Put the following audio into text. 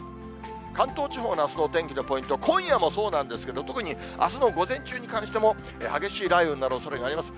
関東地方のあすのお天気のポイントは、今夜もそうなんですけど、特にあすの午前中に関しても、激しい雷雨になるおそれがあります。